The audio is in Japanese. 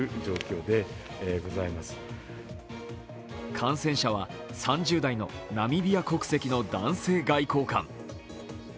感染者は３０代のナミビア国籍の男性外交官。